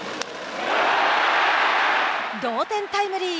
同点タイムリー。